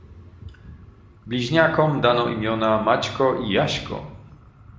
"Bliźniakom dano imiona: Maćko i Jaśko."